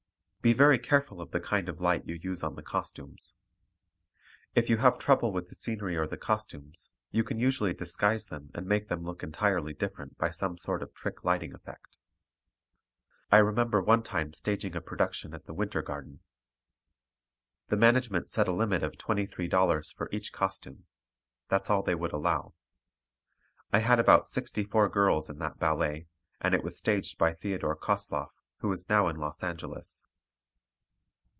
Be very careful of the kind of light you use on the costumes. If you have trouble with the scenery or the costumes, you can usually disguise them and make them look entirely different by some sort of trick lighting effect. I remember one time staging a production at the Winter Garden. The management set a limit of $23 for each costume; that's all they would allow. I had about sixty four girls in that ballet, and it was staged by Theodore Kosloff, who is now in Los Angeles.